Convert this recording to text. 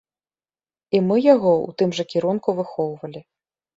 І мы яго ў тым жа кірунку выхоўвалі.